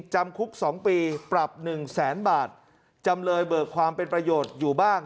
จำคุก๒ปีปรับหนึ่งแสนบาทจำเลยเบิกความเป็นประโยชน์อยู่บ้าง